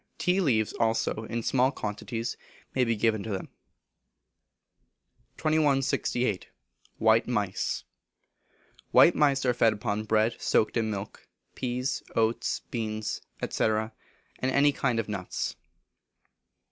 Tea leaves also, in small quantities, may be given to them. 2168. White Mice. White Mice are fed upon bread soaked in milk, peas, oats, beans, &c., and any kind of nuts.